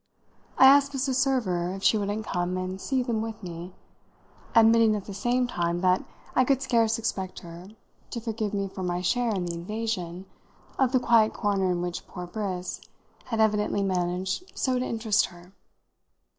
I asked Mrs. Server if she wouldn't come and see them with me, admitting at the same time that I could scarce expect her to forgive me for my share in the invasion of the quiet corner in which poor Briss had evidently managed so to interest her.